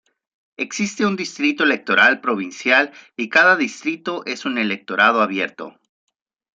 Existe un distrito electoral provincial y cada distrito es un electorado abierto.